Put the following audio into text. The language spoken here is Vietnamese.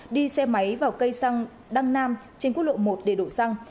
đi xe máy vào cây răng đăng nam trên quốc lộ một để đổ răng